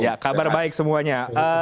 ya kabar baik semuanya